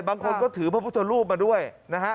บางคนก็ถือพระพุทธรูปมาด้วยนะฮะ